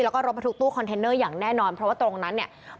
แล้วก็รถบรรทุกตู้คอนเทนเนอร์อย่างแน่นอนเพราะว่าตรงนั้นเนี่ย